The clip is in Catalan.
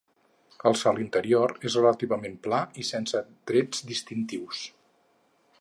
El sòl interior és relativament pla i sense trets distintius.